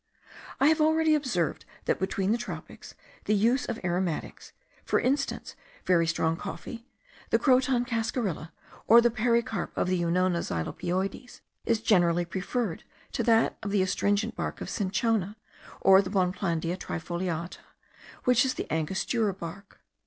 I have already observed that between the tropics, the use of aromatics, for instance very strong coffee, the Croton cascarilla, or the pericarp of the Unona xylopioides, is generally preferred to that of the astringent bark of cinchona, or of Bonplandia trifolatia, which is the Angostura bark.